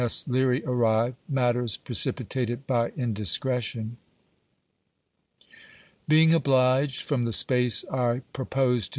S. IfEART ARRIVE MATTERS PRECIPITATED BX INDISCiRETjlON. Being obliged, from the space I propose to.